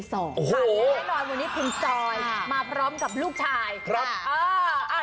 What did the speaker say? ฝันให้นอนวันนี้คุณจอยมาพร้อมกับลูกชาย